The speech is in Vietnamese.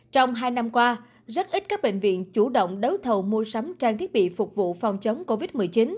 trong hai năm qua rất ít các bệnh viện chủ động đấu thầu mua sắm trang thiết bị phục vụ phòng chống covid một mươi chín